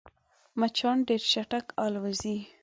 مچان ډېر چټک الوزي